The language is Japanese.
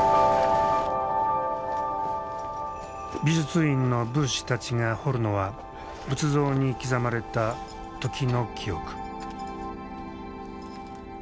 美術院の仏師たちが彫るのは仏像に刻まれた時の記憶。